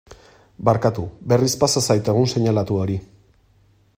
Barkatu, berriz pasa zait egun seinalatu hori.